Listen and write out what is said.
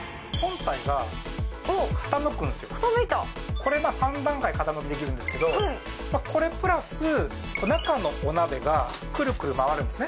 これ、３段階傾きできるんですけど、これプラス、中のお鍋がくるくる回るんですね。